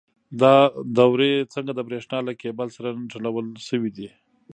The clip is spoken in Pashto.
دا دورې څنګه د برېښنا له کیبل سره نښلول شوي دي؟